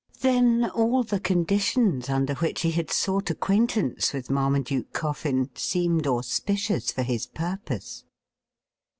Then all the conditions under which he had sought acquaintance with Marmaduke Coffin seemed auspicious for his purpose.